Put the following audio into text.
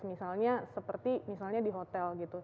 misalnya di hotel